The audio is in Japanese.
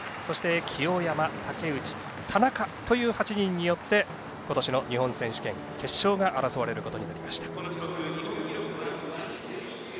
清山、竹内田中という８人によって今年の日本選手権決勝が争われることになりました。